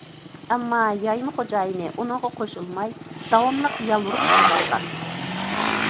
ئەمما يايما خوجايىنى ئۇنىڭغا قوشۇلماي داۋاملىق يالۋۇرۇپ تۇرۇۋالغان.